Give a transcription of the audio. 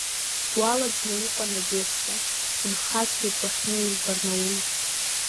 Уалаӡны уҟан Одесса, унхацәеит уахьнеиз Барнаул…